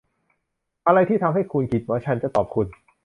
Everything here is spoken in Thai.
อะไรที่ทำให้คุณคิดว่าฉันจะตอบคุณ